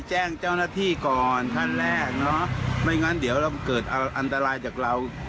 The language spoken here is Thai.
แจ้งเจ้าหน้าที่ก่อนท่านแรกเนอะไม่งั้นเดี๋ยวเราเกิดอันตรายจากเรา